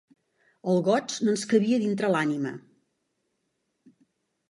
El goig no ens cabia dintre l'ànima.